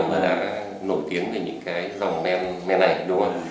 và đã nổi tiếng về những cái dòng men này đúng không